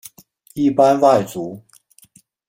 一般外族。